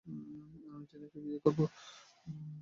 আমি টিনাকেই বিয়ে করবো।